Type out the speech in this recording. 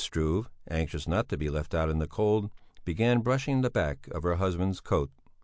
Struve, anxious not to be left out in the cold, began brushing the back of her husband's coat.